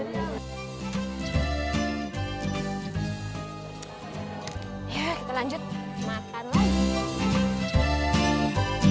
ya kita lanjut makan lagi